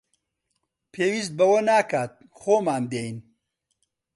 پێویست بەوە ناکات، خۆمان دێین